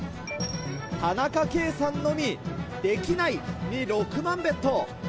田中圭さんのみ「できない」に６万ベット。